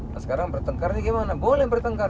nah sekarang pertengkarnya gimana boleh pertengkar